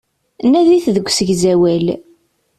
Nadit deg usegzawal.